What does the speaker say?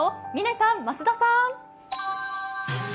嶺さん、増田さん。